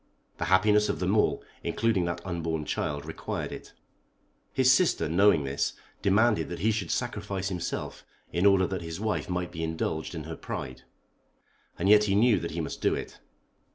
The happiness of them all, including that unborn child, required it. His sister knowing this demanded that he should sacrifice himself in order that his wife might be indulged in her pride. And yet he knew that he must do it.